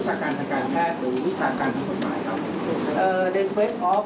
แพทย์นี้ก็ไม่ได้มีครับไปดูภาพเกี่ยวแพทย์ครับ